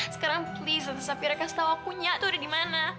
sekarang please jangan sampai mereka tau aku nyah tuh ada dimana